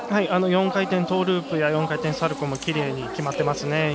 ４回転トーループや４回転サルコーもきれいに決まってますね。